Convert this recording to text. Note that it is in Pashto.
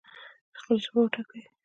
خپله ژبه وټاکئ